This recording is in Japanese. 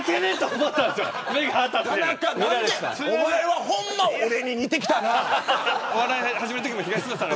お前は、ほんま俺に似てきたな。